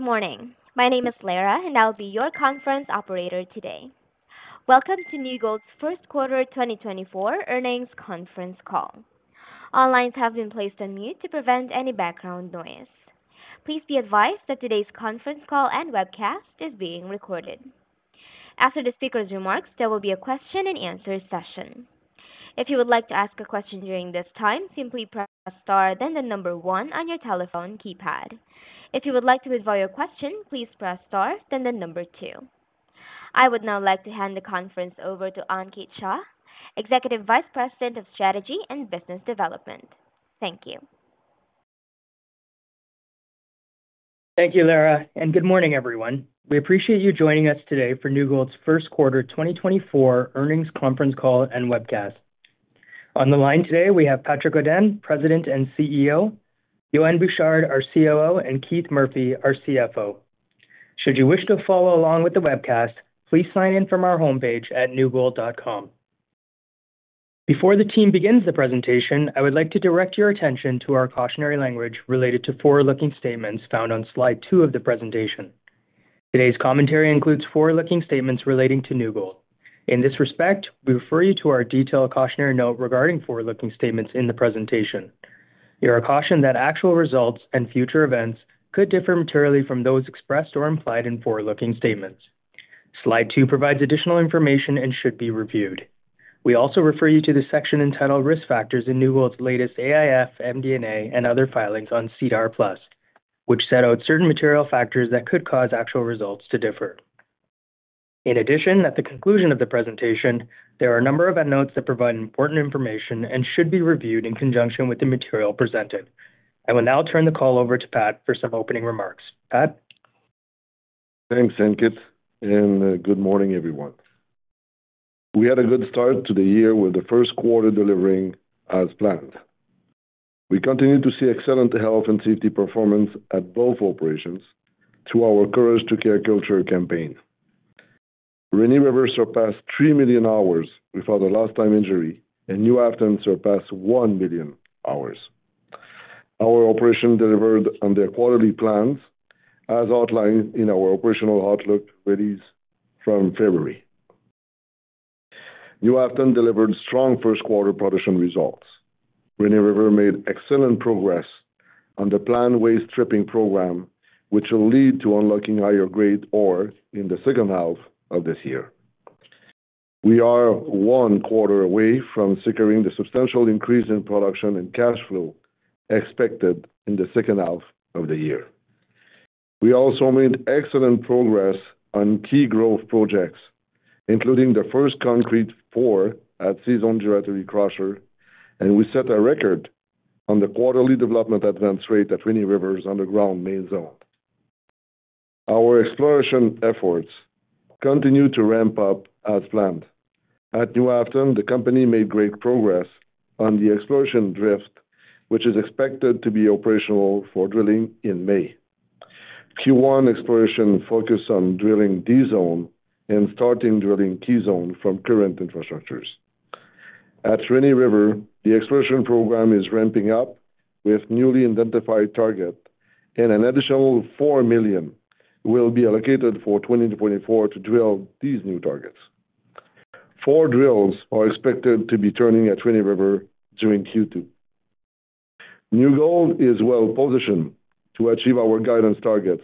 Good morning. My name is Lara, and I'll be your conference operator today. Welcome to New Gold's first quarter 2024 earnings conference call. All lines have been placed on mute to prevent any background noise. Please be advised that today's conference call and webcast is being recorded. After the speaker's remarks, there will be a question and answer session. If you would like to ask a question during this time, simply press Star, then 1 on your telephone keypad. If you would like to withdraw your question, please press Star, then 2. I would now like to hand the conference over to Ankit Shah, Executive Vice President of Strategy and Business Development. Thank you. Thank you, Lara, and good morning, everyone. We appreciate you joining us today for New Gold's first quarter 2024 earnings conference call and webcast. On the line today, we have Patrick Godin, President and CEO, Yohann Bouchard, our COO, and Keith Murphy, our CFO. Should you wish to follow along with the webcast, please sign in from our homepage at newgold.com. Before the team begins the presentation, I would like to direct your attention to our cautionary language related to forward-looking statements found on slide two of the presentation. Today's commentary includes forward-looking statements relating to New Gold. In this respect, we refer you to our detailed cautionary note regarding forward-looking statements in the presentation. You are cautioned that actual results and future events could differ materially from those expressed or implied in forward-looking statements. Slide two provides additional information and should be reviewed. We also refer you to the section entitled Risk Factors in New Gold's latest AIF, MD&A, and other filings on SEDAR+, which set out certain material factors that could cause actual results to differ. In addition, at the conclusion of the presentation, there are a number of endnotes that provide important information and should be reviewed in conjunction with the material presented. I will now turn the call over to Pat for some opening remarks. Pat? Thanks, Ankit, and good morning, everyone. We had a good start to the year with the first quarter delivering as planned. We continued to see excellent health and safety performance at both operations through our Courage to Care culture campaign. Rainy River surpassed 3 million hours without a lost-time injury, and New Afton surpassed 1 million hours. Our operation delivered on their quality plans, as outlined in our operational outlook release from February. New Afton delivered strong first quarter production results. Rainy River made excellent progress on the planned waste stripping program, which will lead to unlocking higher-grade ores in the second half of this year. We are one quarter away from securing the substantial increase in production and cash flow expected in the second half of the year. We also made excellent progress on key growth projects, including the first concrete pour at C-Zone Gyratory Crusher, and we set a record on the quarterly development advance rate at Rainy River's underground Main Zone. Our exploration efforts continued to ramp up as planned. At New Afton, the company made great progress on the exploration drift, which is expected to be operational for drilling in May. Q1 exploration focused on drilling D Zone and starting drilling T Zone from current infrastructures. At Rainy River, the exploration program is ramping up with newly identified target, and an additional $4 million will be allocated for 2024 to drill these new targets. Four drills are expected to be turning at Rainy River during Q2. New Gold is well-positioned to achieve our guidance targets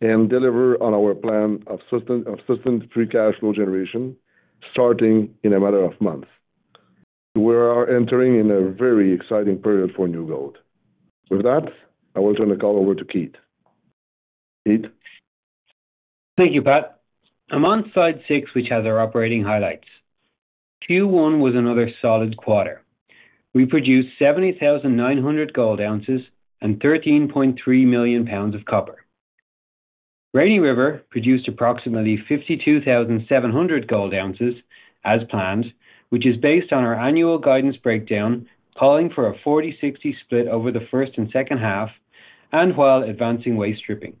and deliver on our plan of sustained free cash flow generation, starting in a matter of months. We are entering in a very exciting period for New Gold. With that, I will turn the call over to Keith. Keith? Thank you, Pat. I'm on slide six, which has our operating highlights. Q1 was another solid quarter. We produced 70,900 gold ounces and 13.3 million pounds of copper. Rainy River produced approximately 52,700 gold ounces, as planned, which is based on our annual guidance breakdown, calling for a 40-60 split over the first and second half and while advancing waste stripping.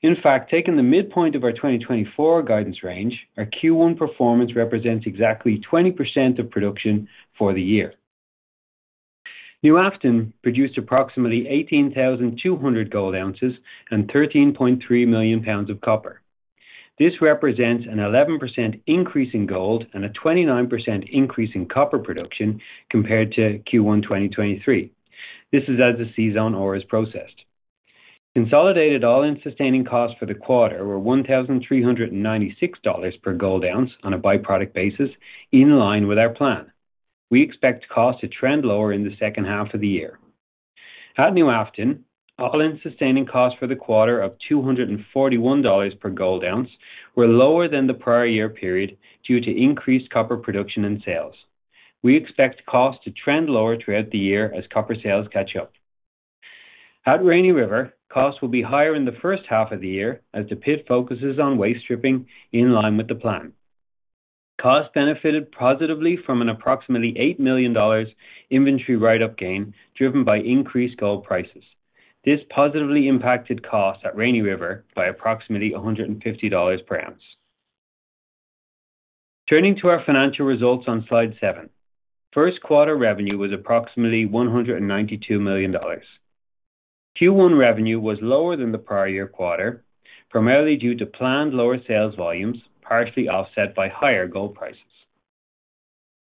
In fact, taking the midpoint of our 2024 guidance range, our Q1 performance represents exactly 20% of production for the year. New Afton produced approximately 18,200 gold ounces and 13.3 million pounds of copper. This represents an 11% increase in gold and a 29% increase in copper production compared to Q1 2023. This is as the C Zone ore is processed. Consolidated all-in sustaining costs for the quarter were $1,396 per gold ounce on a byproduct basis, in line with our plan. We expect costs to trend lower in the second half of the year. At New Afton, all-in sustaining costs for the quarter of $241 per gold ounce were lower than the prior year period due to increased copper production and sales. We expect costs to trend lower throughout the year as copper sales catch up. At Rainy River, costs will be higher in the first half of the year as the pit focuses on waste stripping in line with the plan. Costs benefited positively from an approximately $8 million inventory write-up gain, driven by increased gold prices. This positively impacted costs at Rainy River by approximately $150 per ounce Turning to our financial results on slide seven. First quarter revenue was approximately $192 million. Q1 revenue was lower than the prior year quarter, primarily due to planned lower sales volumes, partially offset by higher gold prices.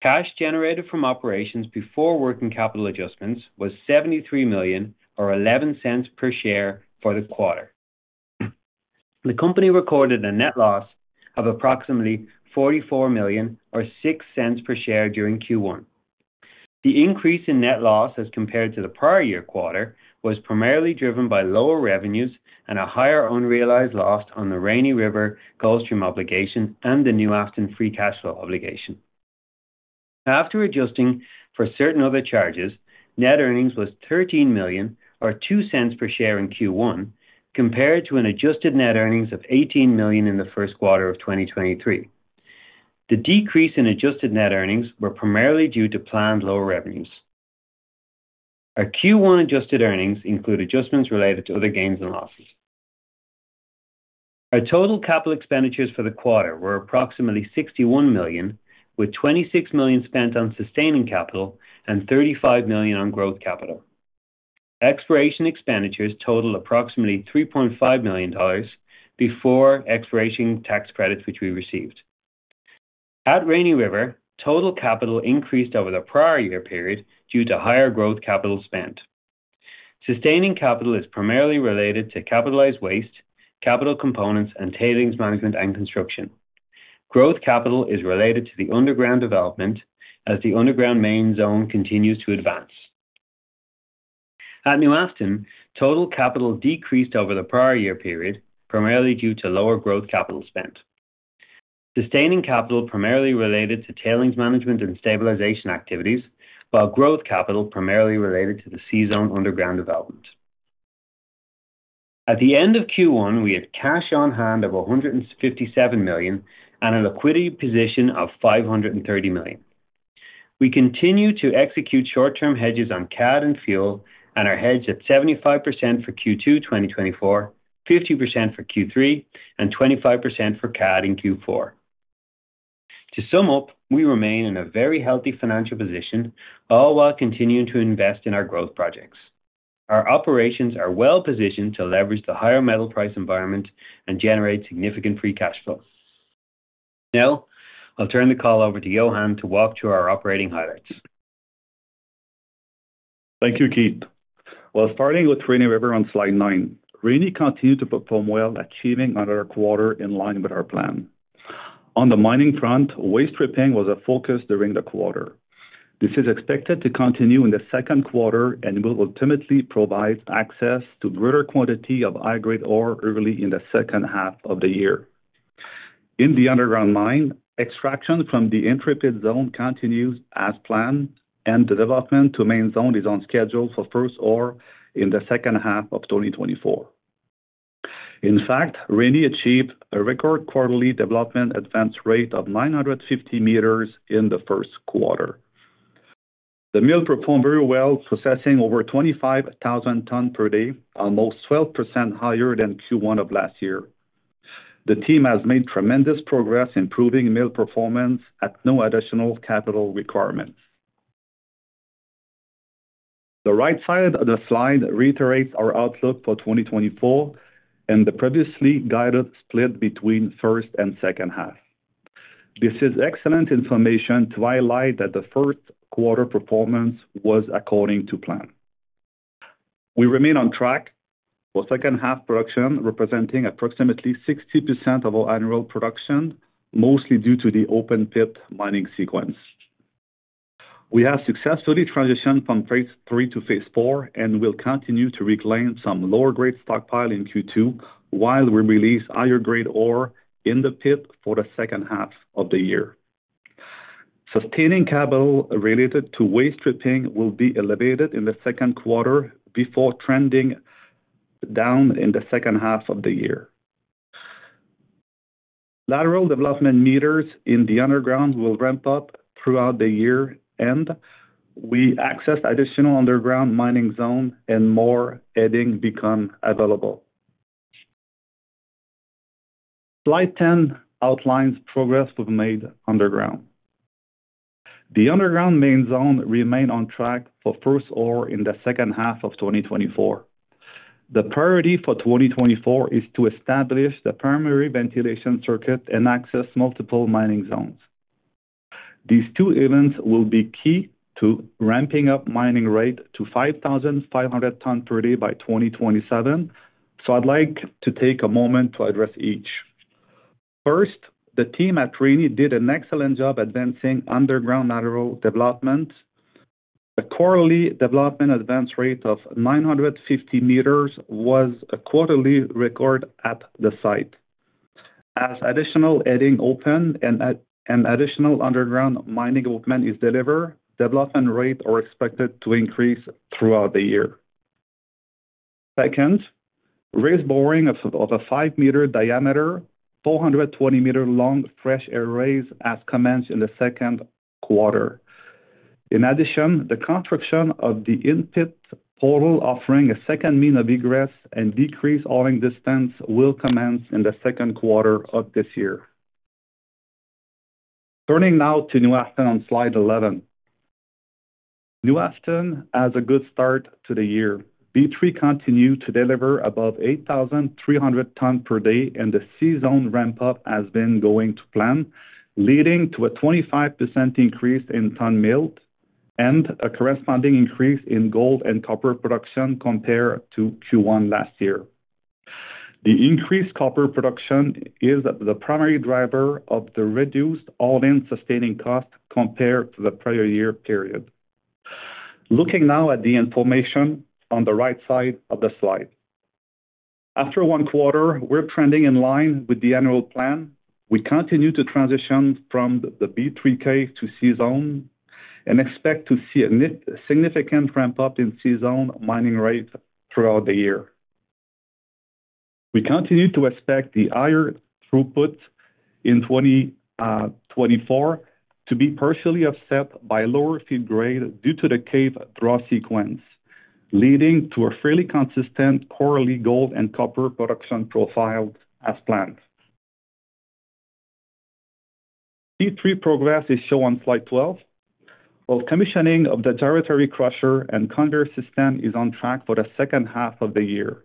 Cash generated from operations before working capital adjustments was $73 million or $0.11 per share for the quarter. The company recorded a net loss of approximately $44 million or $0.06 per share during Q1. The increase in net loss, as compared to the prior year quarter, was primarily driven by lower revenues and a higher unrealized loss on the Rainy River gold stream obligation and the New Afton free cash flow obligation. After adjusting for certain other charges, net earnings was $13 million or $0.02 per share in Q1, compared to an adjusted net earnings of $18 million in the first quarter of 2023. The decrease in adjusted net earnings were primarily due to planned lower revenues. Our Q1 adjusted earnings include adjustments related to other gains and losses. Our total capital expenditures for the quarter were approximately $61 million, with $26 million spent on sustaining capital and $35 million on growth capital. Exploration expenditures totaled approximately $3.5 million before exploration tax credits, which we received. At Rainy River, total capital increased over the prior year period due to higher growth capital spent. Sustaining capital is primarily related to capitalized waste, capital components, and tailings management and construction. Growth capital is related to the underground development as the underground main zone continues to advance. At New Afton, total capital decreased over the prior year period, primarily due to lower growth capital spent. Sustaining capital primarily related to tailings management and stabilization activities, while growth capital primarily related to the C-Zone underground development. At the end of Q1, we had cash on hand of $157 million and a liquidity position of $530 million. We continue to execute short-term hedges on CAD and fuel, and are hedged at 75% for Q2 2024, 50% for Q3, and 25% for CAD in Q4. To sum up, we remain in a very healthy financial position, all while continuing to invest in our growth projects. Our operations are well positioned to leverage the higher metal price environment and generate significant free cash flow. Now, I'll turn the call over to Yohan to walk through our operating highlights. Thank you, Keith. Well, starting with Rainy River on slide nine. Rainy continued to perform well, achieving another quarter in line with our plan. On the mining front, waste stripping was a focus during the quarter. This is expected to continue in the second quarter and will ultimately provide access to greater quantity of high-grade ore early in the second half of the year. In the underground mine, extraction from the Intrepid Zone continues as planned, and development to Main Zone is on schedule for first ore in the second half of 2024. In fact, Rainy achieved a record quarterly development advance rate of 950 meters in the first quarter. The mill performed very well, processing over 25,000 tons per day, almost 12% higher than Q1 of last year. The team has made tremendous progress improving mill performance at no additional capital requirements. The right side of the slide reiterates our outlook for 2024 and the previously guided split between first and second half. This is excellent information to highlight that the first quarter performance was according to plan. We remain on track for second half production, representing approximately 60% of our annual production, mostly due to the open pit mining sequence. We have successfully transitioned from Phase 3 to Phase 4 and will continue to reclaim some lower grade stockpile in Q2, while we release higher grade ore in the pit for the second half of the year. Sustaining capital related to waste stripping will be elevated in the second quarter before trending down in the second half of the year. Lateral development meters in the underground will ramp up throughout the year, and we access additional underground mining zones and more headings become available. Slide 10 outlines progress we've made underground. The underground Main Zone remain on track for first ore in the second half of 2024. The priority for 2024 is to establish the primary ventilation circuit and access multiple mining zones. These two events will be key to ramping up mining rate to 5,500 tons per day by 2027. So I'd like to take a moment to address each. First, the team at Rainy did an excellent job advancing underground lateral development. The quarterly development advance rate of 950 meters was a quarterly record at the site. As additional heading open and additional underground mining equipment is delivered, development rate are expected to increase throughout the year. Second, raise boring of, of a 5-meter diameter, 420-meter long Fresh Air Raise has commenced in the second quarter. In addition, the construction of the in-pit portal, offering a second means of egress and decrease hauling distance, will commence in the second quarter of this year. Turning now to New Afton on slide 11. New Afton has a good start to the year. B3 continued to deliver above 8,300 tons per day, and the C-Zone ramp-up has been going to plan, leading to a 25% increase in ton milled and a corresponding increase in gold and copper production compared to Q1 last year. The increased copper production is the primary driver of the reduced all-in sustaining cost compared to the prior year period. Looking now at the information on the right side of the slide. After one quarter, we're trending in line with the annual plan. We continue to transition from the B3 Zone to C-Zone and expect to see a significant ramp-up in C-Zone mining rates throughout the year. We continue to expect the higher throughput in 2024 to be partially offset by lower feed grade due to the cave draw sequence, leading to a fairly consistent quarterly gold and copper production profile as planned. B3 progress is shown on slide 12. While commissioning of the gyratory crusher and conveyor system is on track for the second half of the year.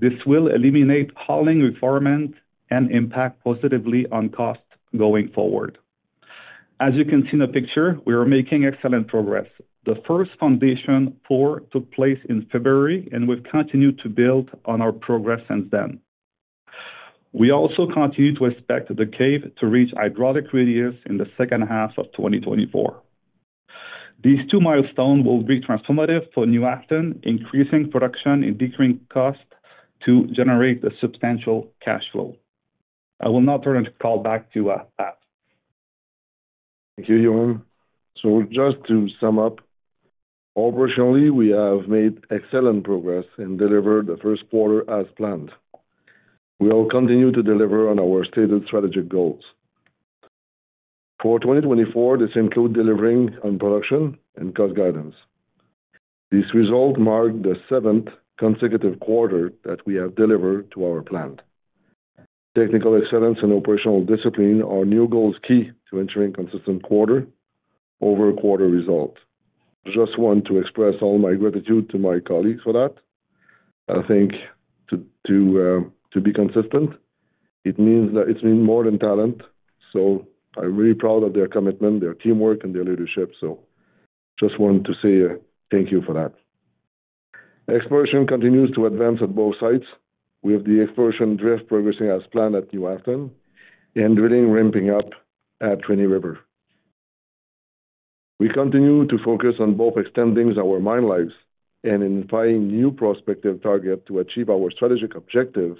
This will eliminate hauling requirement and impact positively on cost going forward. As you can see in the picture, we are making excellent progress. The first foundation pour took place in February, and we've continued to build on our progress since then. We also continue to expect the cave to reach hydraulic radius in the second half of 2024. These two milestones will be transformative for New Afton, increasing production and decreasing costs to generate a substantial cash flow. I will now turn the call back to Pat. Thank you, Yohann. So just to sum up, operationally, we have made excellent progress and delivered the first quarter as planned. We will continue to deliver on our stated strategic goals. For 2024, this include delivering on production and cost guidance. This result marked the seventh consecutive quarter that we have delivered to our plan. Technical excellence and operational discipline are new goals key to ensuring consistent quarter-over-quarter result. Just want to express all my gratitude to my colleagues for that. I think to be consistent, it means that it's been more than talent, so I'm really proud of their commitment, their teamwork, and their leadership. So just wanted to say thank you for that. Exploration continues to advance at both sites with the exploration drift progressing as planned at New Afton and drilling ramping up at Rainy River. We continue to focus on both extending our mine lives and in finding new prospective target to achieve our strategic objective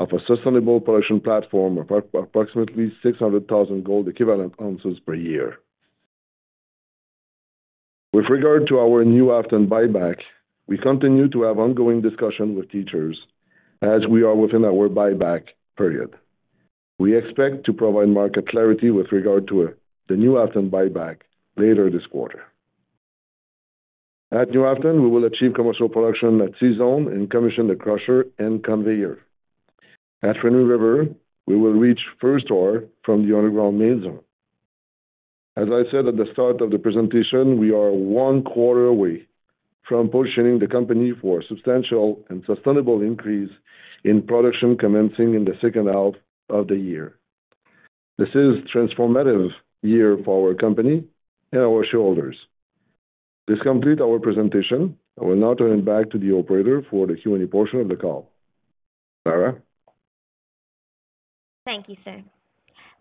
of a sustainable production platform of approximately 600,000 gold equivalent ounces per year. With regard to our New Afton buyback, we continue to have ongoing discussions with Teachers as we are within our buyback period. We expect to provide market clarity with regard to the New Afton buyback later this quarter. At New Afton, we will achieve commercial production at C-Zone and commission the crusher and conveyor. At Rainy River, we will reach first ore from the underground Main Zone. As I said at the start of the presentation, we are one quarter away from positioning the company for substantial and sustainable increase in production commencing in the second half of the year. This is transformative year for our company and our shareholders. This completes our presentation. I will now turn it back to the operator for the Q&A portion of the call. Lara? Thank you, sir.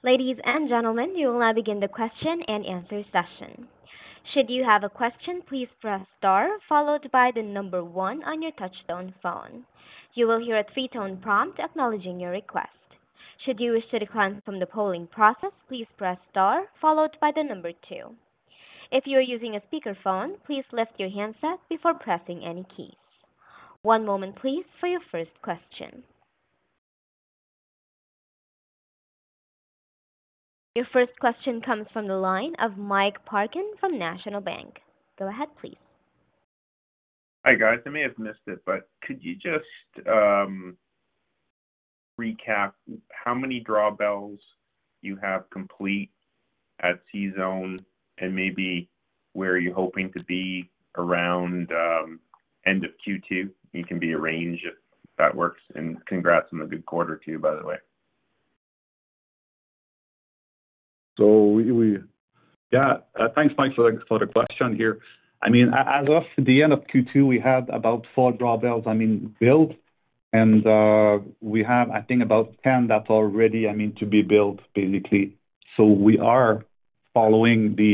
Ladies and gentlemen, you will now begin the question and answer session. Should you have a question, please press star followed by the number 1 on your touchtone phone. You will hear a three-tone prompt acknowledging your request. Should you wish to decline from the polling process, please press star followed by the number 2. If you are using a speakerphone, please lift your handset before pressing any keys. One moment, please, for your first question. Your first question comes from the line of Mike Parkin from National Bank. Go ahead, please. Hi, guys. I may have missed it, but could you just recap how many drawbells you have complete at C-Zone and maybe where you're hoping to be around end of Q2? It can be a range, if that works. And congrats on a good quarter to you, by the way. So we Yeah, thanks, Mike, for the question here. I mean, as of the end of Q2, we had about 4 drawbells, I mean, built. And, we have, I think about 10 that's already, I mean, to be built, basically. So we are following the,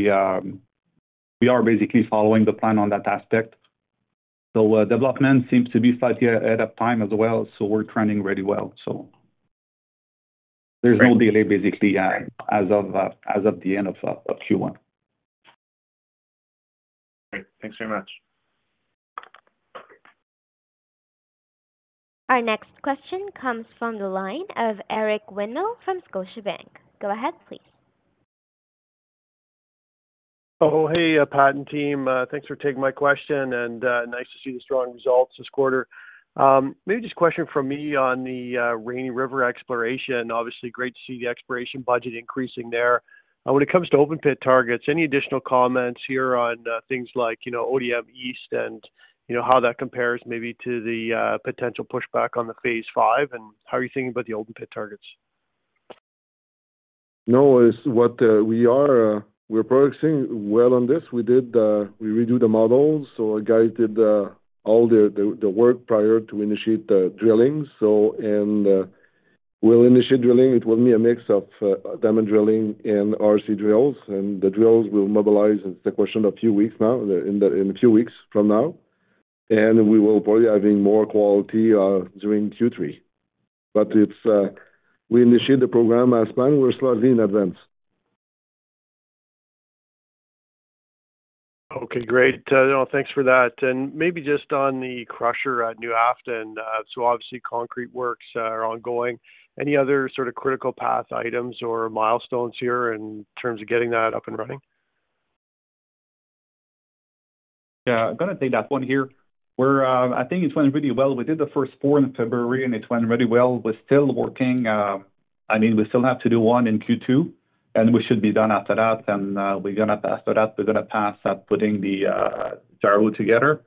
we are basically following the plan on that aspect. So, development seems to be slightly ahead of time as well, so we're trending really well. So there's no delay, basically, as of, as of the end of, of Q1. Great. Thanks very much. Our next question comes from the line of Eric Winmill from Scotiabank. Go ahead, please. Oh, hey, Patrick and team. Thanks for taking my question, and nice to see the strong results this quarter. Maybe just a question from me on the Rainy River exploration. Obviously, great to see the exploration budget increasing there. When it comes to open pit targets, any additional comments here on things like, you know, ODM East and, you know, how that compares maybe to the potential pushback on the Phase 5, and how are you thinking about the open pit targets? No, it's what we are, we're progressing well on this. We did, we redo the models, so our guys did all the work prior to initiate the drilling. So, and, we'll initiate drilling. It will be a mix of diamond drilling and RC drills, and the drills will mobilize. It's a question of few weeks now, in a few weeks from now, and we will probably having more quality during Q3. But it's we initiate the program as planned. We're slightly in advance. Okay, great. Thanks for that. Maybe just on the crusher at New Afton, so obviously, concrete works are ongoing. Any other sort of critical path items or milestones here in terms of getting that up and running? Yeah, I'm gonna take that one here. We're, I think it's going really well. We did the first four in February, and it went really well, was still working. I mean, we still have to do one in Q2, and we should be done after that, and, we're gonna pass that. We're gonna pass at putting the gyratory together.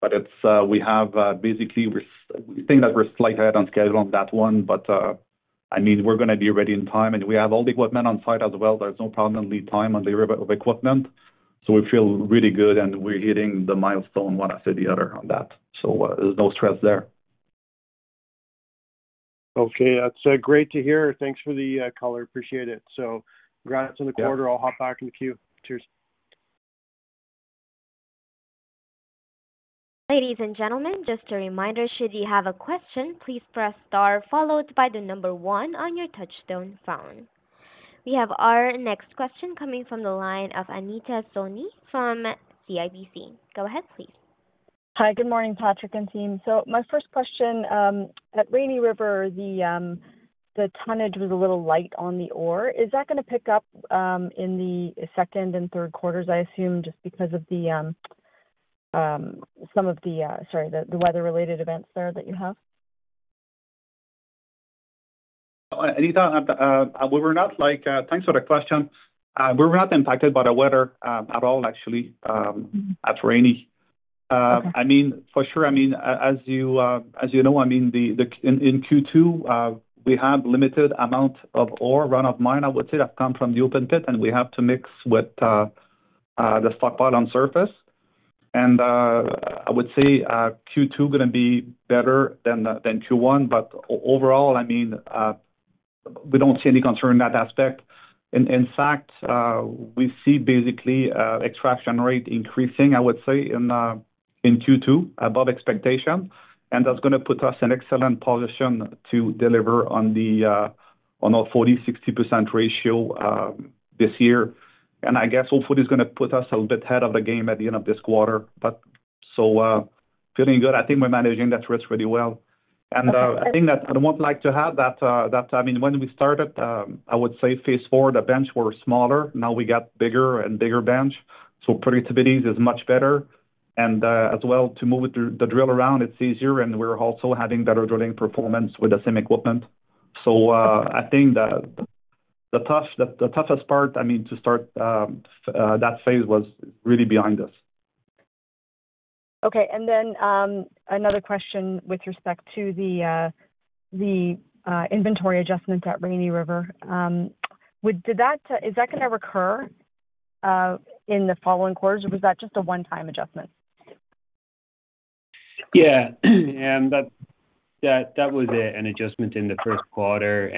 But it's, we have, basically, we're, we think that we're slightly ahead on schedule on that one, but, I mean, we're gonna be ready in time, and we have all the equipment on site as well. There's no problem, lead time on the delivery of equipment. So we feel really good, and we're hitting the milestone, one after the other on that, so, there's no stress there. Okay, that's great to hear. Thanks for the color. Appreciate it. So congrats on the quarter. Yeah. I'll hop back in the queue. Cheers. Ladies and gentlemen, just a reminder, should you have a question, please press star followed by the number one on your touchtone phone. We have our next question coming from the line of Anita Soni from CIBC. Go ahead, please. Hi, good morning, Patrick and team. So my first question, at Rainy River, the tonnage was a little light on the ore. Is that gonna pick up, in the second and third quarters, I assume, just because of the, some of the, sorry, the weather-related events there that you have? Anita, thanks for the question. We were not impacted by the weather at all, actually, at Rainy. Okay. I mean, for sure, I mean, as you as you know, I mean, the in Q2 we have limited amount of ore run of mine, I would say, that come from the open pit, and we have to mix with the stockpile on surface. And I would say Q2 gonna be better than Q1, but overall, I mean, we don't see any concern in that aspect. In fact, we see basically extraction rate increasing, I would say, in Q2, above expectation, and that's gonna put us in excellent position to deliver on the on our 40-60% ratio this year. And I guess hopefully, it's gonna put us a little bit ahead of the game at the end of this quarter. But, so, feeling good. I think we're managing that risk really well. Okay. I think that I would like to have that. I mean, when we started, I would say phase four, the bench were smaller, now we got bigger and bigger bench, so productivities is much better. And, as well, to move it through the drill around, it's easier, and we're also having better drilling performance with the same equipment. So, I think the toughest part, I mean, to start that phase was really behind us. Okay. And then, another question with respect to the inventory adjustments at Rainy River. Would, did that, is that gonna recur in the following quarters, or was that just a one-time adjustment? Yeah. And that was an adjustment in the first quarter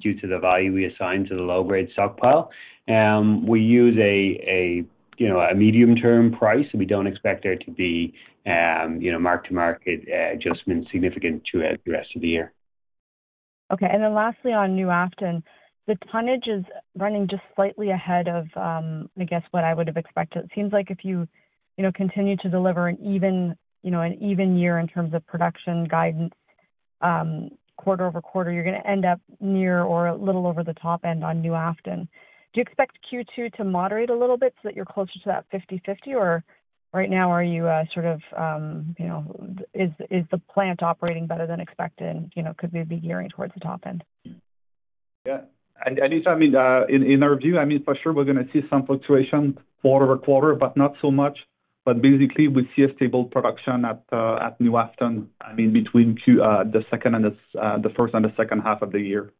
due to the value we assigned to the low-grade stockpile. We use a, you know, a medium-term price. We don't expect there to be, you know, mark-to-market adjustment significant to the rest of the year. Okay. And then lastly, on New Afton, the tonnage is running just slightly ahead of, I guess, what I would have expected. It seems like if you, you know, continue to deliver an even, you know, an even year in terms of production guidance, quarter over quarter, you're gonna end up near or a little over the top end on New Afton. Do you expect Q2 to moderate a little bit so that you're closer to that 50/50, or right now, are you, sort of, you know, is the plant operating better than expected? You know, could we be gearing towards the top end? Yeah. And, Anita, I mean, in, in our view, I mean, for sure, we're gonna see some fluctuation quarter over quarter, but not so much. But basically, we see a stable production at, at New Afton, I mean, between Q, the second and the, the first and the second half of the year.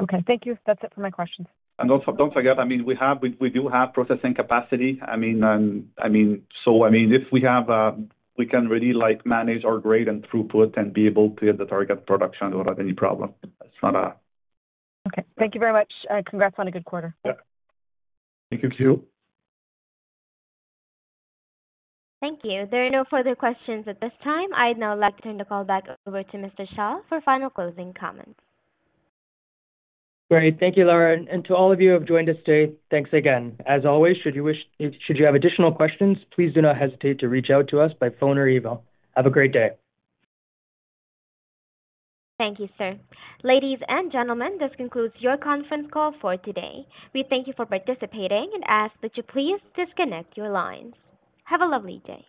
Okay. Thank you. That's it for my questions. And don't forget, I mean, we do have processing capacity. I mean, I mean, so I mean, if we have, we can really, like, manage our grade and throughput and be able to hit the target production without any problem. It's not a- Okay, thank you very much. Congrats on a good quarter. Yeah. Thank you, too. Thank you. There are no further questions at this time. I'd now like to turn the call back over to Mr. Shah for final closing comments. Great. Thank you, Lara, and to all of you who have joined us today, thanks again. As always, should you wish, should you have additional questions, please do not hesitate to reach out to us by phone or email. Have a great day. Thank you, sir. Ladies and gentlemen, this concludes your conference call for today. We thank you for participating and ask that you please disconnect your lines. Have a lovely day.